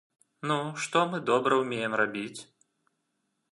Ну, што мы добра ўмеем рабіць?